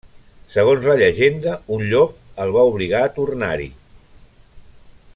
Segons la llegenda, un llop el va obligar a tornar-hi.